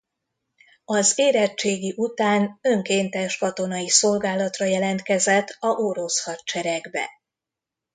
Az érettségi után önkéntes katonai szolgálatra jelentkezett a orosz hadseregbe.